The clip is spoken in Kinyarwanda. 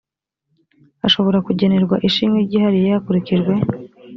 ashobora kugenerwa ishimwe ryihariye hakurikijwe